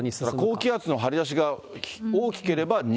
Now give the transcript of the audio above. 高気圧の張り出しが大きければ西、